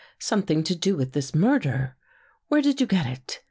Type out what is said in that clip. " Something to do with this murder? Where did you get it?